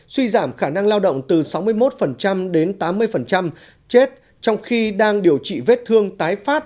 suy giảm khả năng lao động từ sáu mươi một đến tám mươi chết trong khi đang điều trị vết thương tái phát